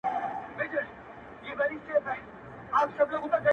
نظم لږ اوږد دی امید لرم چي وې لولی,